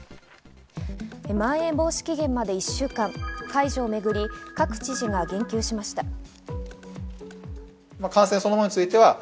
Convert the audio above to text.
まん延防止期限まで１週間、解除をめぐり各知事が言及しました。